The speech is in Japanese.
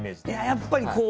やっぱりこう。